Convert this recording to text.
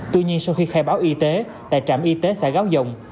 tuy nhiên sau khi khai báo y tế tại trạm y tế xã gáo dòng